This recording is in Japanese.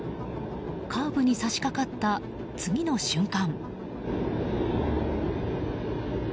カーブに差し掛かった次の瞬間。